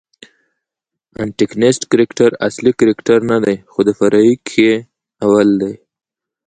انټکنیسټ کرکټراصلي کرکټرنه دئ، خو د فرعي کښي اول دئ.